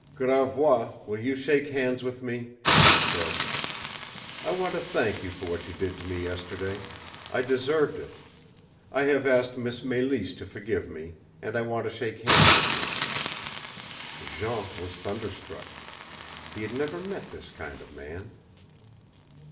"Gravois, will you shake hands with me?" he said. "I want to thank you for what you did to me yesterday. I deserved it. I have asked Miss Mélisse to forgive me and I want to shake hands with you." Jean was thunderstruck. He had never met this kind of man.